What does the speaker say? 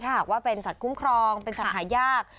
ถ้าหากว่าเป็นสัตว์คุ้มครองเป็นสัตว์หายาก